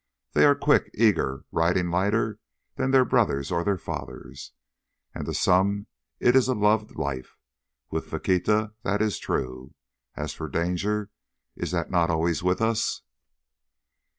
They are quick, eager, riding lighter than their brothers or their fathers. And to some it is a loved life. With Faquita that is true. As for danger—is that not always with us?